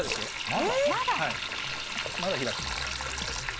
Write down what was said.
まだ開きます。